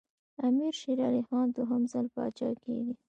امیر شېر علي خان دوهم ځل پاچا کېږي.